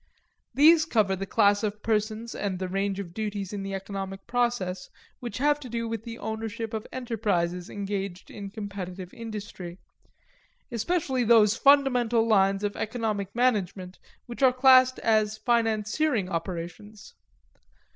These cover the class of persons and that range of duties in the economic process which have to do with the ownership of enterprises engaged in competitive industry; especially those fundamental lines of economic management which are classed as financiering operations.